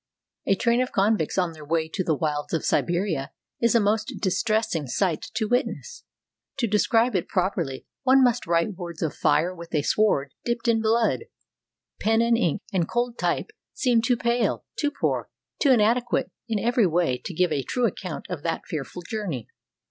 A train of convicts on their way to the wilds of Siberia is a most distressing sight to witness. To describe it properly one must write words of fire with a sword dipped in blood. Pen and ink, and cold type seem too pale, too poor, too inadequate in every way to give a true account of that fearful journey.